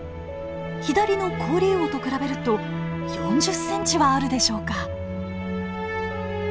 左のコオリウオと比べると４０ｃｍはあるでしょうか。